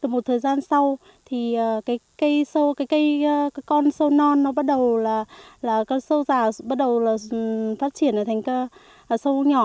một thời gian sau cây con sâu non bắt đầu phát triển thành sâu nhỏ